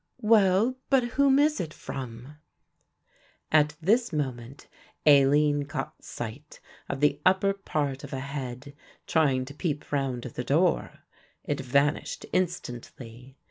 "Well, but whom is it from?" At this moment Aline caught sight of the upper part of a head trying to peep round the door. It vanished instantly.